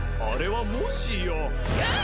あれはもしや。